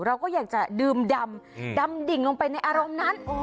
เราก็อยากจะดื่มดำดำดิ่งลงไปในอารมณ์นั้น